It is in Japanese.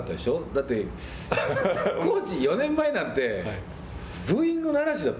だってコーチ、４年前なんて最初ですか。